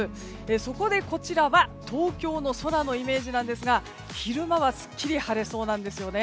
そこで、こちらは東京の空のイメージですが昼間はすっきり晴れそうなんですよね。